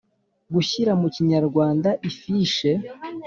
Gushyira mu Kinyarwanda ifishe